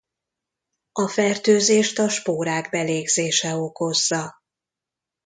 A fertőzést a spórák belégzése okozza.